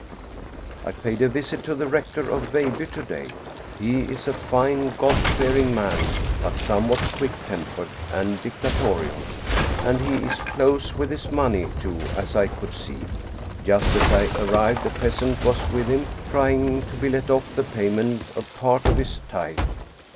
I paid a visit to the Rector of Veilbye to day. He is a fine, God fearing man, but somewhat quick tempered and dictatorial. And he is close with his money, too, as I could see. Just as I arrived a peasant was with him trying to be let off the payment of part of his tithe.